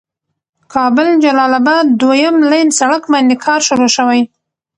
کابل جلال آباد دويم لين سړک باندې کار شروع شوي.